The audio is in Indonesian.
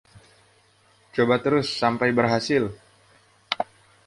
coba terus sampai berhasil